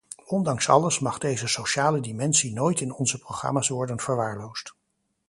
Ondanks alles mag deze sociale dimensie nooit in onze programma's worden verwaarloosd.